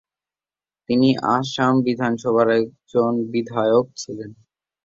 তিনি আসাম বিধানসভার একজন বিধায়ক ছিলেন।